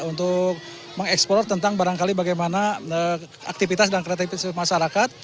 untuk mengeksplor tentang barangkali bagaimana aktivitas dan kreativitas masyarakat